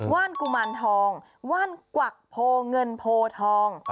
ว่านกุมารทองว่านกวักโพเงินโพทอง